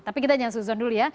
tapi kita jangan suzon dulu ya